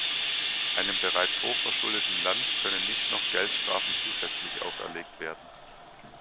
Einem bereits hochverschuldeten Land können nicht noch Geldstrafen zusätzlich auferlegt werden.